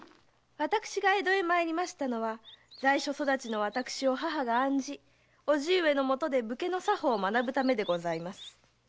私が江戸へ参りましたのは在所育ちの私を母が案じ叔父上の元で武家の作法を学ぶためでございます。